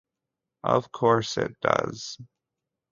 Of course it does.